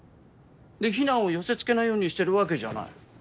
で非難を寄せ付けないようにしてるわけじゃない。